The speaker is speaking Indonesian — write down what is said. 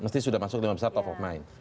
mesti sudah masuk lima besar top of mind